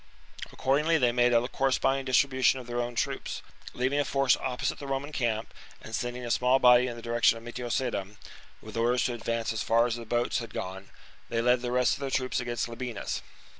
Accordingly they made a corresponding distribution of their own troops. Leaving a force opposite the Roman camp, and sending a small body in the direction of Metio sedum, with orders to advance as far as the boats VII OF VERCINGETORIX 253 had gone, they led the rest of their troops against 52 b.c. Labienus.